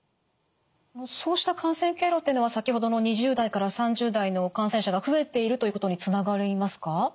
そうした感染経路っていうのは先ほどの２０代から３０代の感染者が増えているということにつながりますか？